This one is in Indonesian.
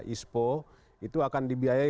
ispo itu akan dibiayai